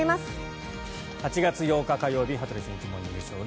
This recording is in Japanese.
８月８日、火曜日「羽鳥慎一モーニングショー」。